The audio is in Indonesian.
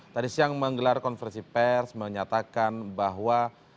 tadi siang menggelar konversi pers menyatakan bahwa